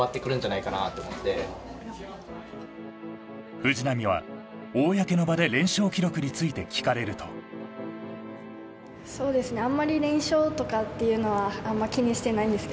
藤波は公の場で連勝記録について聞かれるとそうですねいや